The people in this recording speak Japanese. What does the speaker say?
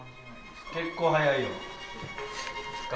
結構速いよ。